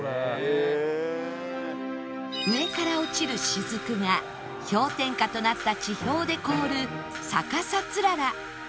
上から落ちる雫が氷点下となった地表で凍る逆さつらら